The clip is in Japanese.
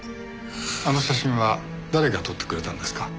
あの写真は誰が撮ってくれたんですか？